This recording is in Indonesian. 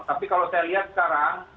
tapi kalau saya lihat sekarang